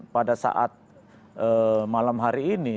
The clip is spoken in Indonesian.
pada saat malam hari ini